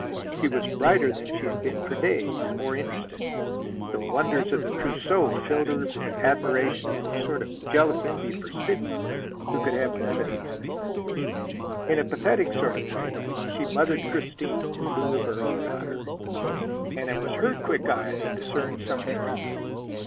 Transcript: She was brighter than she had been for days, more interested. The wonders of the trousseau filled her with admiration and a sort of jealous envy for Sidney, who could have none of these things. In a pathetic sort of way, she mothered Christine in lieu of her own daughter. And it was her quick eye that discerned something wrong.